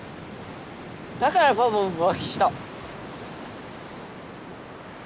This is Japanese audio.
だからパパも浮気した。